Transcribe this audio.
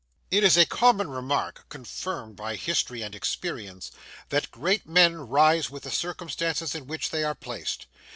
It is a common remark, confirmed by history and experience, that great men rise with the circumstances in which they are placed.